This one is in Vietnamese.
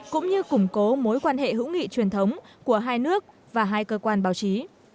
cũng như củng cố mối quan hệ hữu nghị truyền thống của hai nước và hai cơ quan báo chí